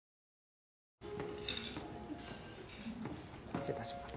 失礼いたします。